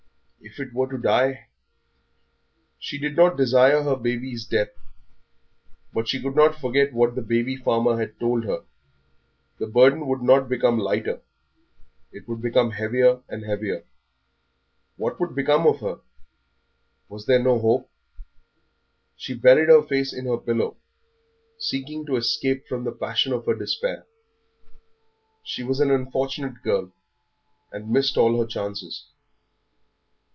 If it were to die! She did not desire her baby's death, but she could not forget what the baby farmer had told her the burden would not become lighter, it would become heavier and heavier. What would become of her? Was there no hope? She buried her face in her pillow, seeking to escape from the passion of her despair. She was an unfortunate girl, and had missed all her chances.